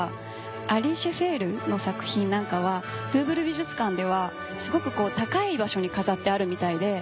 アリ・シェフェールの作品なんかはルーヴル美術館ではすごく高い場所に飾ってあるみたいで。